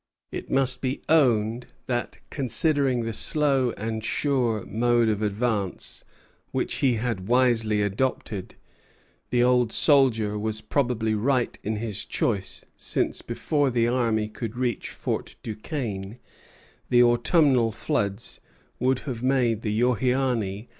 It must be owned that, considering the slow and sure mode of advance which he had wisely adopted, the old soldier was probably right in his choice; since before the army could reach Fort Duquesne, the autumnal floods would have made the Youghiogany and the Monongahela impassable.